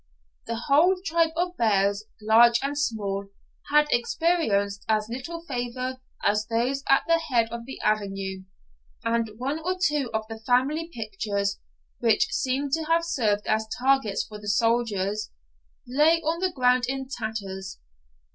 The whole tribe of bears, large and small, had experienced as little favour as those at the head of the avenue, and one or two of the family pictures, which seemed to have served as targets for the soldiers, lay on the ground in tatters.